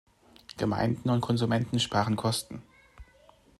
Gemeinden und Konsumenten sparen Kosten.